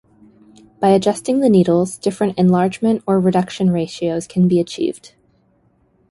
By adjusting the needles different enlargement or reduction ratios can be achieved.